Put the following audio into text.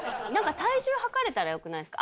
体重測れたら良くないですか？